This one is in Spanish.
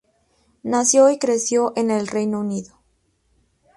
Nació y creció en el Reino Unido.